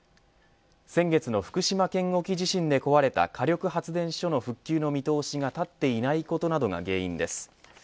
先月の福島県沖地震で壊れた火力発電所の復旧の見通しがたっていないことなどが原因です。